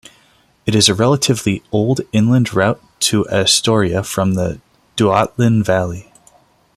It is a relatively old inland route to Astoria from the Tualatin Valley.